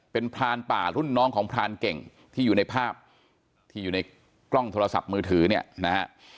เป็นพรานป่ารุ่นน้องของพรานเก่งที่อยู่ในภาพที่อยู่ในกล้องโทรศัพท์มือถือเนี่ยนะฮะ